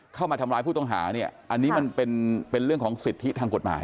เข้ามาทำร้ายผู้ต้องหาเนี่ยอันนี้มันเป็นเรื่องของสิทธิทางกฎหมาย